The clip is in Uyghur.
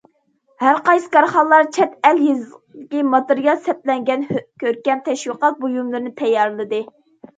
ھەر قايسى كارخانىلار چەت ئەل يېزىقىدىكى ماتېرىيال سەپلەنگەن كۆركەم تەشۋىقات بۇيۇملىرىنى تەييارلىدى.